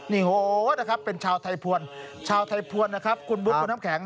นี่โหเป็นชาวไทยภวรชาวไทยภวรคุณบุ๊คคุณน้ำแข็ง